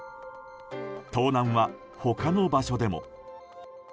盗難は他の場所でも。